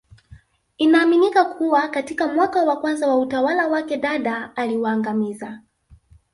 Inaaminika kuwa katika mwaka wa kwanza wa utawala wake Dada aliwaangamiza